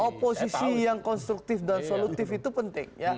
oposisi yang konstruktif dan solutif itu penting